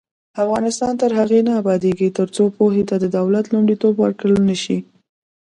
افغانستان تر هغو نه ابادیږي، ترڅو پوهې ته د دولت لومړیتوب ورکړل نشي.